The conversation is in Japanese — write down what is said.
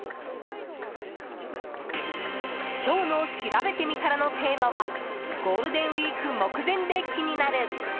今日のしらべてみたらのテーマはゴールデンウィーク目前で気になる。